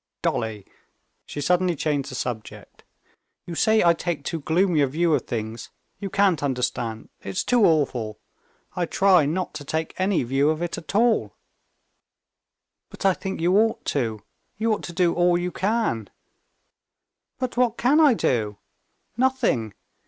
Dolly!"—she suddenly changed the subject—"you say I take too gloomy a view of things. You can't understand. It's too awful! I try not to take any view of it at all." "But I think you ought to. You ought to do all you can." "But what can I do? Nothing.